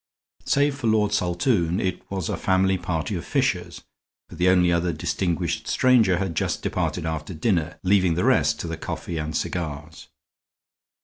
Save for Lord Saltoun, it was a family party of Fishers, for the only other distinguished stranger had just departed after dinner, leaving the rest to their coffee and cigars.